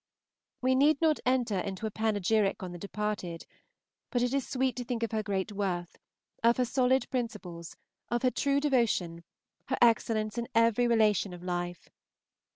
We need not enter into a panegyric on the departed, but it is sweet to think of her great worth, of her solid principles, of her true devotion, her excellence in every relation of life.